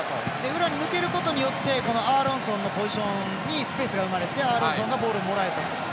裏に抜けることによってこのアーロンソンのポジションにスペースが生まれてアーロンソンがもらえたと。